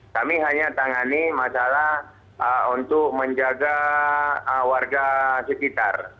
kami hanya tangani masalah untuk menjaga warga sekitar